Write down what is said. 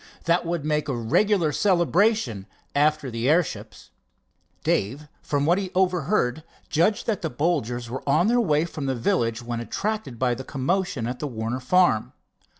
"That would make a regular celebration, after the airships." Dave, from what he overheard, judged that the Bolgers were on their way from the village when attracted by the commotion at the Warner farm.